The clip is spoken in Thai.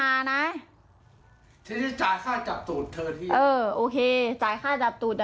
เออหนึ่งพันห้าร้อยบาทเออให้มา